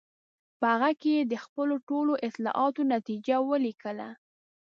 په هغه کې یې د خپلو ټولو اطلاعاتو نتیجه ولیکله.